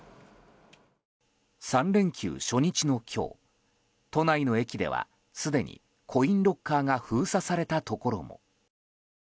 ３連休初日の今日、都内の駅ではすでにコインロッカーが封鎖されたところも。